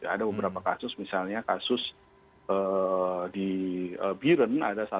ada beberapa kasus misalnya kasus di biren